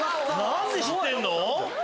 何で知ってんの？